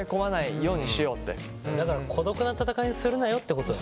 だから孤独な闘いにするなよってことだ。